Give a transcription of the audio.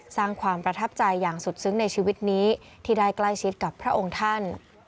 สร้างความประทับใจอย่างสุดซึ้งในชีวิตนี้ที่ได้ใกล้ชิดกับพระองค์ท่าน